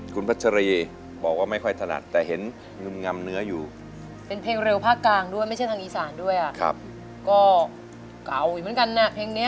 เก่าอีกเหมือนกันนะเพลงนี้